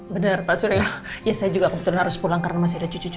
bener ya saya kebetulan juga harus pulang karena masih ada cucu cucu menos ya